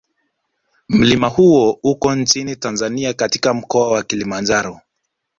Mlima huo uko nchini Tanzania katika Mkoa wa Kilimanjaro